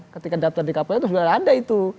ketika daftar di kpu itu sudah ada itu